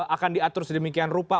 akan diatur sedemikian rupa